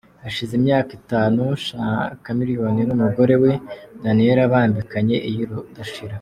Hashize imyaka itanu Chameleone numugore we Daniellah bambikanye iyurudashira.